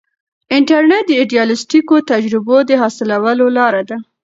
انټرنیټ د ایډیالیسټیکو تجربو د حاصلولو لار ده.